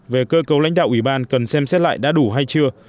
về cơ cấu lãnh đạo ủy ban cần xem xét lại đã đủ hay chưa